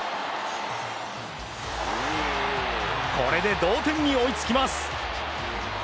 これで同点に追いつきます。